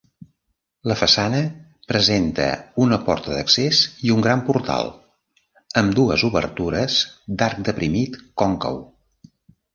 La façana presenta una porta d'accés i un gran portal, ambdues obertures d'arc deprimit còncau.